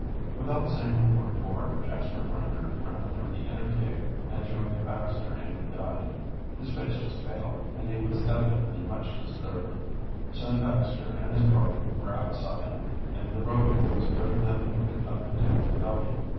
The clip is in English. Without saying a word more, Jasper Grinder ran from the inner cave and joined Baxter and the guide. His face was pale, and he was evidently much disturbed. Soon Baxter and his party were outside, and the Rover boys heard them moving up and down the gully.